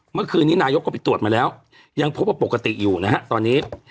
เมื่อคืนนี้นายกก็ไปตรวจมาแล้วยังพบว่าปกติอยู่นะฮะตอนนี้